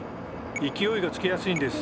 勢いがつきやすいんです。